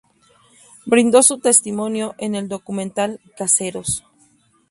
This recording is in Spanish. Brindó su testimonio en el documental "Caseros".